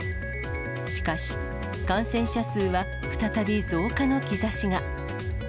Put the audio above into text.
しかし、感染者数は再び増加の兆しが。